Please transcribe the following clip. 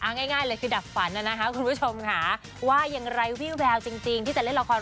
เอาง่ายเลยคือดับฝันนะคะคุณผู้ชมค่ะว่าอย่างไร้วิแววจริงที่จะเล่นละคร